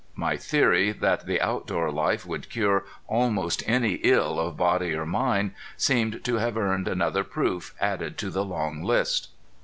My theory that the outdoor life would cure almost any ill of body or mind seemed to have earned another proof added to the long list.